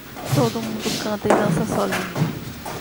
Todo mundo canta e dança sozinho.